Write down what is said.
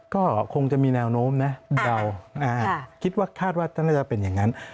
ก็คงจะมีแนวโน้มนะเดาคิดว่าคาดว่าน่าจะเป็นอย่างนั้น